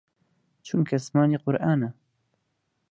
چونکە زمانی قورئانە